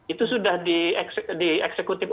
itu sudah di eksekutif